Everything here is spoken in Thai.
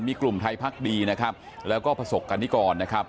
มีกลุ่มไทยพักดีนะครับแล้วก็ประสบกรณิกรนะครับ